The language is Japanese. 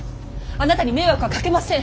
あなたに迷惑はかけません。